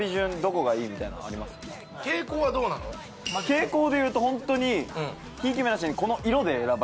傾向でいうとホントにひいき目なしにこの。